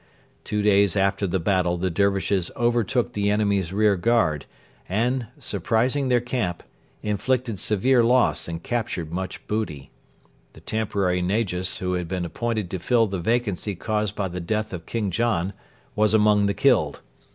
Two days after the battle the Dervishes overtook the enemy's rearguard and, surprising their camp, inflicted severe loss and captured much booty. The temporary Negus who had been appointed to fill the vacancy caused by the death of King John was among the killed.